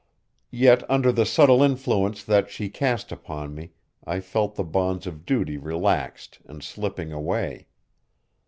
Yet under the subtle influence that she cast upon me I felt the bonds of duty relaxed and slipping away.